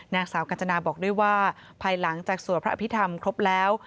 นางสาวกัญจนาบอกด้วยว่าภายหลังจากสวดพระอภิษฐรรมครบแล้ว